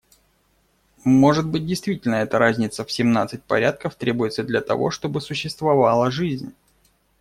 Может быть, действительно, эта разница в семнадцать порядков требуется для того, чтобы существовала жизнь.